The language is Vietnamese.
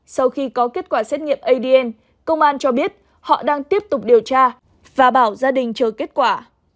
sau khi có kết quả xét nghiệm adn công an cho biết họ đang tiếp tục điều tra và bảo gia đình chờ kết quả